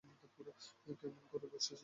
কেমন করে বসেছ তুমি।